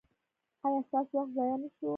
ایا ستاسو وخت ضایع نه شو؟